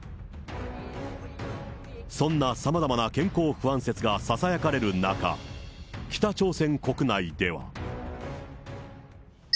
そんなさまざまな健康不安説がささやかれる中、北朝鮮国内では。